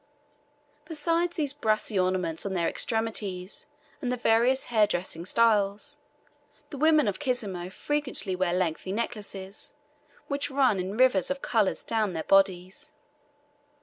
Besides these brassy ornaments on their extremities, and the various hair dressing styles, the women of Kisemo frequently wear lengthy necklaces, which run in rivers of colours down their bodies.